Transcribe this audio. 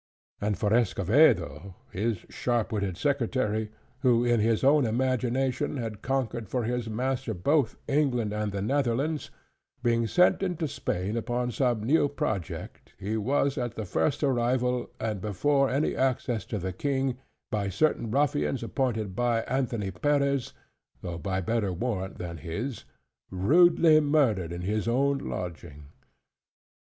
And for Escovedo his sharp witted secretary, who in his own imagination had conquered for his master both England and the Netherlands; being sent into Spain upon some new project, he was at the first arrival, and before any access to the King, by certain ruffians appointed by Anthony Peres (though by better warrant than his) rudely murdered in his own lodging.